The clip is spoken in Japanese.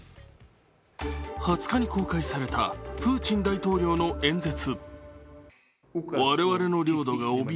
２０日に公開されたプーチン大統領の演説。